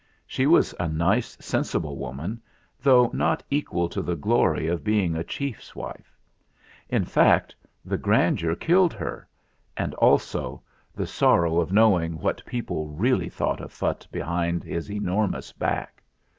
She was a nice sensible woman, though not equal to the glory of being a chief's wife. In fact, the grandeur killed her, and also the sorrow of knowing what people really thought of Phutt behind his enormous back.